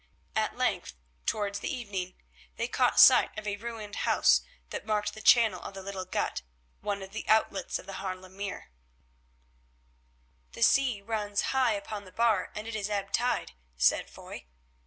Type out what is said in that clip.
At length, towards evening, they caught sight of a ruined house that marked the channel of the little gut, one of the outlets of the Haarlem Mere. "The sea runs high upon the bar and it is ebb tide," said Foy.